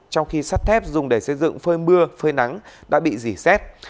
trong khi sắt thép dùng để xây dựng phơi mưa phơi nắng đã bị dỉ xét